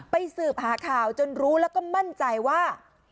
สืบหาข่าวจนรู้แล้วก็มั่นใจว่า